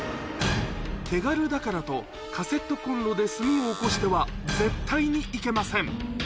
手軽だからと、カセットコンロで炭をおこしては絶対にいけません。